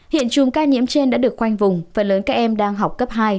hiện chùm ca nhiễm trên đã được khoanh vùng phần lớn các em đang học cấp hai